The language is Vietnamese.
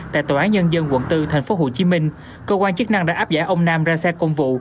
tại tòa án nhân dân quận bốn tp hcm cơ quan chức năng đã áp giải ông nam ra xe công vụ